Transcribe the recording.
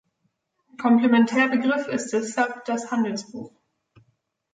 Komplementärbegriff ist deshalb das Handelsbuch.